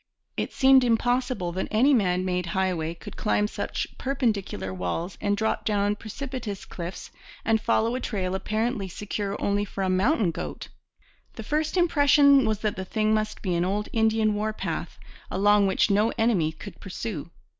It seemed impossible that any man made highway could climb such perpendicular walls and drop down precipitous cliffs and follow a trail apparently secure only for a mountain goat. The first impression was that the thing must be an old Indian war path, along which no enemy could pursue.